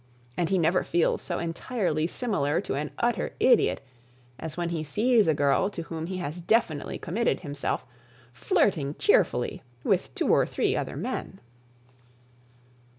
And he never feels so entirely similar to an utter idiot, as when he sees a girl to whom he has definitely committed himself, flirting cheerfully with two or three other men.